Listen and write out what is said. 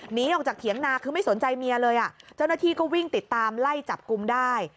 หนีออกจากเถียงนาคือไม่สนใจเมียเลยอ่ะเจ้าหน้าที่ก็วิ่งติดตามไล่จับกลุ่มได้